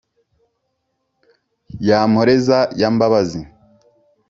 ya mporeza ya mbabazi,